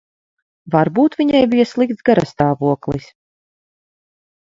Varbūt viņai bija slikts garastāvoklis.